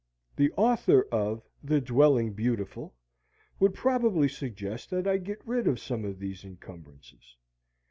The author of "The Dwelling Beautiful" would probably suggest that I get rid of some of these incumbrances.